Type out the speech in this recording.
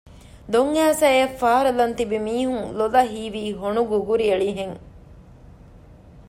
ދޮން އައިސަ އަށް ފާރަލާން ތިބި މީހުންގެ ލޮލަށް ހީވީ ހޮނުގުގުރި އެޅި ހެން